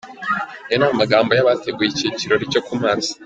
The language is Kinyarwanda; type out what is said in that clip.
Ayo ni amagambo y’abateguye iki kirori cyo ku mazi.